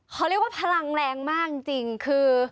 เขาเรียกว่าพลังแรงมากจริงคือ